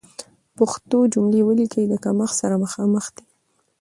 پښتو جملې وليکئ، د کمښت سره مخامخ دي.